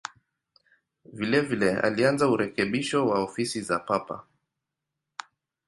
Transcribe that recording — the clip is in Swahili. Vilevile alianza urekebisho wa ofisi za Papa.